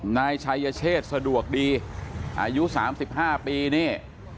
นายชัยเชษสะดวกดีอายุ๓๕ปีนี่